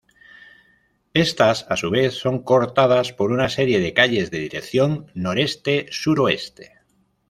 Estas a su vez son cortadas por una serie de calles de dirección noreste-suroeste.